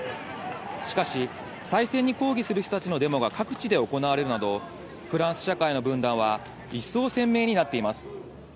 しかし、再選に抗議する人たちのデモが各地で行われるなど、フランス社会の分断は、一層鮮明になっています。